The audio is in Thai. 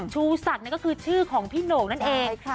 ชูศักดิ์ก็คือชื่อของพี่โหน่งนั่นเอง